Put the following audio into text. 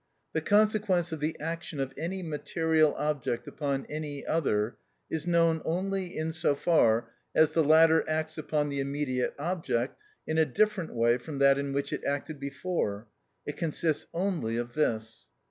The consequence of the action of any material object upon any other, is known only in so far as the latter acts upon the immediate object in a different way from that in which it acted before; it consists only of this.